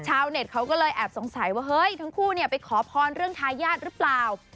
ชาวเน็ตเขาก็เลยแอบสงสัยว่าเฮ้ยทั้งคู่ไปขอพรเรื่องทายาทหรือเปล่า